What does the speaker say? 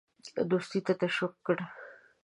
دوستی ته تشویق کړ.